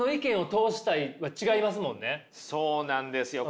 そうなんですよ。